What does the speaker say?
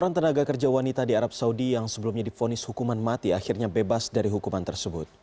seorang tenaga kerja wanita di arab saudi yang sebelumnya difonis hukuman mati akhirnya bebas dari hukuman tersebut